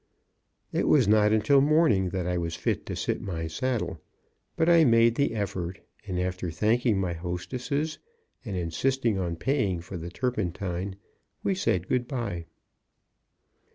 It was not until morning that I was fit to sit my saddle; but I made the effort, and after thanking my hostesses and insisting on paying for the turpentine, we said good bye.